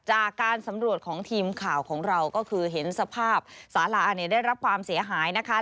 จากการสำรวจของทีมข่าวของเราก็คือเห็นสภาพสาราเนี่ยได้รับความเสียหายนะคะ